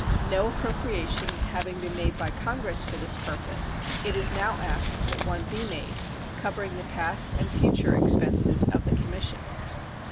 No appropriation having been made by Congress for this purpose, it is now asked that one be made covering the past and future expenses of the commission.